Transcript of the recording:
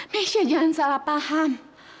misha jangan salah paham